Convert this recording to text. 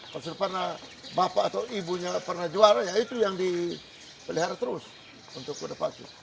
kalau sudah pernah bapak atau ibunya pernah juara ya itu yang dipelihara terus untuk ke depan